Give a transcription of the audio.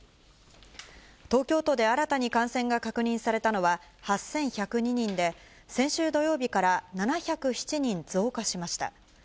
東京都で新たに感染が確認されたのは、８１０２人で、先週土曜日から７０７人増加しました。